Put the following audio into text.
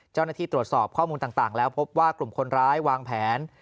เจ้าหน้าที่ตรวจสอบข้อมูลต่างแล้วพบว่ากลุ่มคนร้ายวางแผน